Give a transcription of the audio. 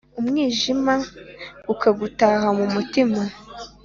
umwijima ukagutaha mu mutima